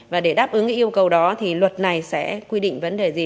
và để đáp ứng yêu cầu đó thì luật này sẽ quy định vấn đề gì